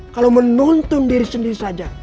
kalau menonton diri sendiri saja